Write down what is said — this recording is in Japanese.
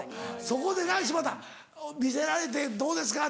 そこでな柴田見せられてどうですか？